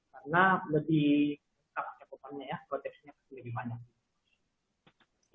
karena lebih proteksi nya lebih banyak